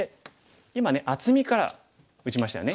今ね厚みから打ちましたよね。